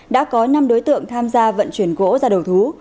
đã có năm đối tượng tham gia vận chuyển gỗ ra đầu thú